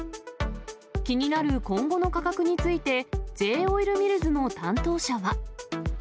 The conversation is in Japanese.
気になる今後の価格について、Ｊ−オイルミルズの担当者は。